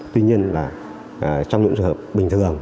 tuy nhiên là trong những trường hợp bình thường